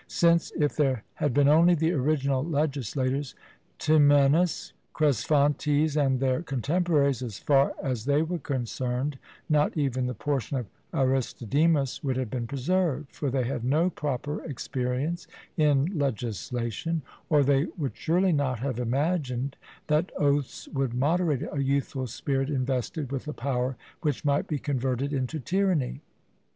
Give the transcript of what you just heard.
Since, if there had been only the original legislators, Temenus, Cresphontes, and their contemporaries, as far as they were concerned not even the portion of Aristodemus would have been preserved; for they had no proper experience in legislation, or they would surely not have imagined that oaths would moderate a youthful spirit invested with a power which might be converted into a tyranny.